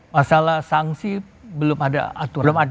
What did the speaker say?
masalah sanksi belum ada aturan